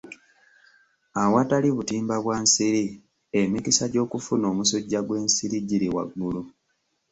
Awatali butimba bwa nsiri emikisa gy'okufuna omusujja gw'ensiri giri waggulu.